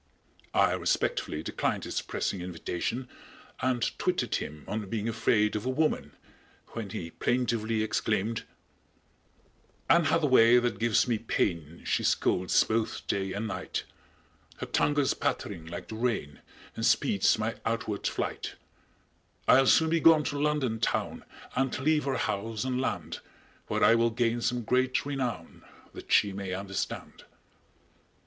I respectfully declined his pressing invitation and twitted him on being afraid of a woman, when he plaintively exclaimed: _Anne Hath a way that gives me pain, She scolds both day and night; Her tongue goes pattering like the rain And speeds my outward flight; I'll soon be gone to London town And leave her house and land Where I will gain some great renown That she may understand.